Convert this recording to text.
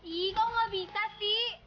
ih kok gak bisa sih